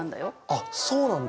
あっそうなんだ。